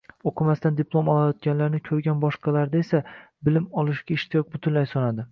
Oʻqimasdan diplom olayotganlarni koʻrgan boshqalarda esa bilim olishga ishtiyoq butunlay soʻnadi.